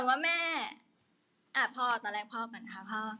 แต่ว่าแม่อ่ะพ่อตอนแรกพ่อก่อนค่ะพ่อ